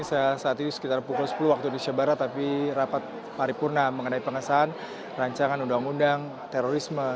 saat ini sekitar pukul sepuluh waktu indonesia barat tapi rapat paripurna mengenai pengesahan rancangan undang undang terorisme